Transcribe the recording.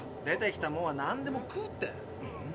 出てきたもんはなんでも食うって。